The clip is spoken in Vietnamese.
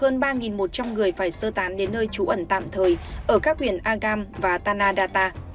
mang người phải sơ tán đến nơi trú ẩn tạm thời ở các huyện agam và tanadata